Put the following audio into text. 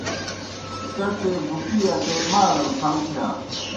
کڇے بُکِی اٹے مالڑ پھل تِھیا۔